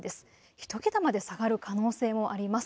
１桁まで下がる可能性もあります。